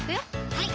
はい